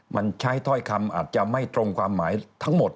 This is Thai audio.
มันใช้ถ้อยคำอาจจะไม่ตรงความหมายทั้งหมด